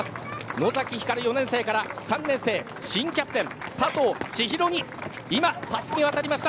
野崎光４年生から３年生新キャプテン、佐藤千紘に今たすきが渡りました。